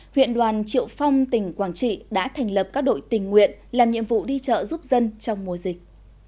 huyện đoàn triệu phong tỉnh quảng trị đã thành lập các đội tình nguyện làm nhiệm vụ đi chợ giúp dân trong mùa dịch